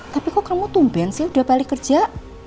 tapi kok kamu tumben saya udah balik kerja